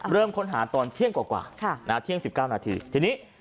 เริ่มค้นหาตอนเที่ยงกว่าเค้ามีการจัดเป็นสามทีม